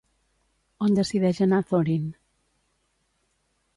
On decideix anar Thorin?